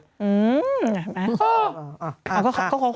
ก็ขอแค่ห้าแสนเนี่ยคุณแม่